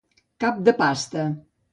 Cap de pasta.